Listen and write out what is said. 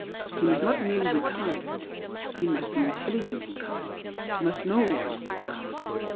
He must not merely be kind, he must be intelligently kind; must know why he is kind.